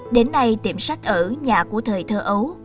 đến nay tiệm sách ở nhà của thời thơ ấu